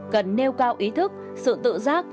cần nêu cao ý thức sự tự giác